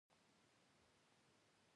وتلي کسان د فکر او فرهنګ په برخه کې فعال دي.